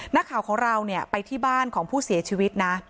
นักข่าวของเราเนี่ยไปที่บ้านของผู้เสียชีวิตนะ